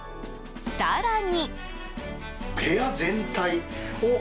更に。